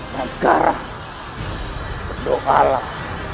dan sekarang berdoa lah